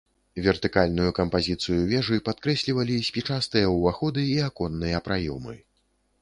Вертыкальную кампазіцыю вежы падкрэслівалі спічастыя ўваходы і аконныя праёмы.